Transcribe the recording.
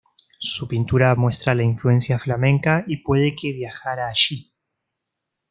Su pintura muestra la influencia flamenca, y puede que viajara allí.